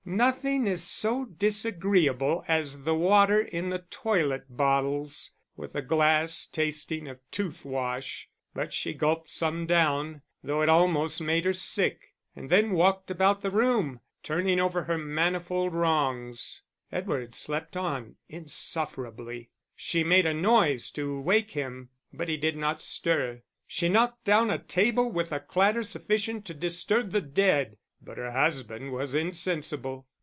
Nothing is so disagreeable as the water in toilet bottles, with the glass tasting of tooth wash; but she gulped some down, though it almost made her sick, and then walked about the room, turning over her manifold wrongs. Edward slept on insufferably. She made a noise to wake him, but he did not stir; she knocked down a table with a clatter sufficient to disturb the dead, but her husband was insensible.